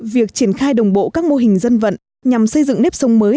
việc triển khai đồng bộ các mô hình dân vận nhằm xây dựng nếp sông mới